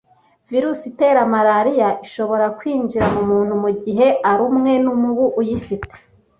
Virusi itera Malariya ishobora kwinjira mu muntu mu gihe arumwe n’umubu uyifite